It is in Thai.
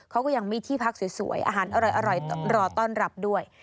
เขาก็ยังมีที่พักสวยอาหารอร่อยรอต้อนรับด้วย